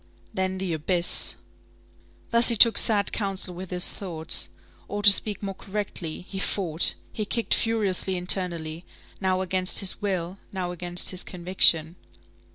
Then the abyss. Thus he took sad council with his thoughts. Or, to speak more correctly, he fought; he kicked furiously internally, now against his will, now against his conviction.